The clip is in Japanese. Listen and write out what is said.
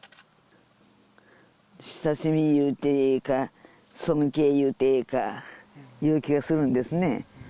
親しみいうてええか尊敬いうてええかいう気がするんですね